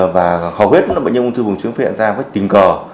và khó biết là bệnh nhân ung thư buồng trứng phát hiện ra với tình cờ